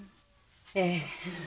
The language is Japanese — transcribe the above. ええ。